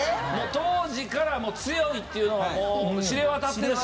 当時から強いっていうのはもう知れ渡ってるし。